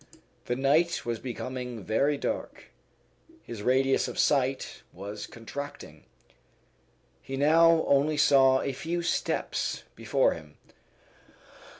The night was becoming very dark. His radius of sight was contracting. He now only saw a few steps before him.